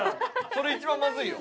それ一番まずいよ。